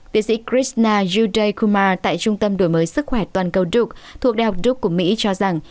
tiến sĩ krishna yudhakumar tại trung tâm đổi mới sức khỏe toàn cầu duke thuộc đại học duke của mỹ cho rằng